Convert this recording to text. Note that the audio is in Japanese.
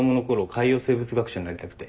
海洋生物学者になりたくて。